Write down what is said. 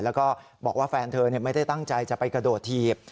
แล้วก็บอกว่าแฟนเธอไม่ได้ตั้งใจจะไปกระโดดถีบ